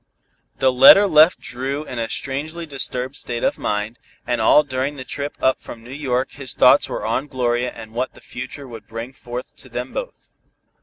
The letter left Dru in a strangely disturbed state of mind, and all during the trip up from New York his thoughts were on Gloria and what the future would bring forth to them both.